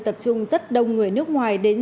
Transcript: tập trung rất đông người nước ngoài đến